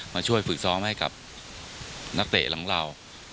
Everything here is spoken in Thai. มาช่วยฝึกซ้อมให้กับนักเตะของเรา